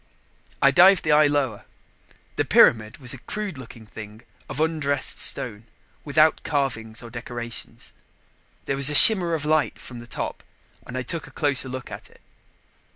I dived the eye lower. The pyramid was a crude looking thing of undressed stone, without carvings or decorations. There was a shimmer of light from the top and I took a closer look at it.